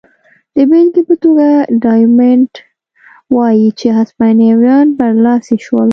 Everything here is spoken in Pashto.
د بېلګې په توګه ډایمونډ وايي چې هسپانویان برلاسي شول.